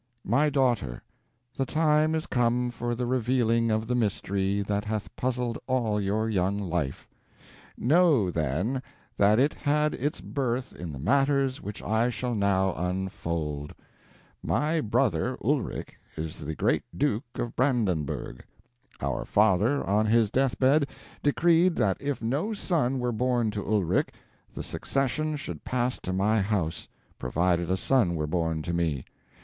"My daughter, the time is come for the revealing of the mystery that hath puzzled all your young life. Know, then, that it had its birth in the matters which I shall now unfold. My brother Ulrich is the great Duke of Brandenburgh. Our father, on his deathbed, decreed that if no son were born to Ulrich, the succession should pass to my house, provided a son were born to me.